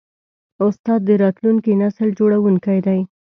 استاد د راتلونکي نسل جوړوونکی دی.